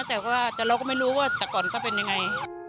แต่ว่าเราก็ไม่รู้ว่าแต่ก่อนก็เป็นยังไง